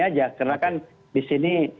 aja karena kan di sini